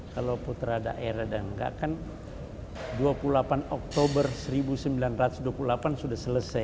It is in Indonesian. kalau putra daerah dan enggak kan dua puluh delapan oktober seribu sembilan ratus dua puluh delapan sudah selesai